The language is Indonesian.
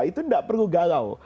itu tidak perlu galau